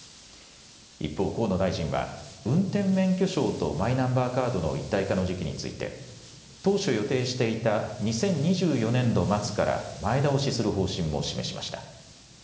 一方、河野大臣は、運転免許証とマイナンバーカードの一体化の時期について、当初予定していた２０２４年度末から前倒しする方針も示しました。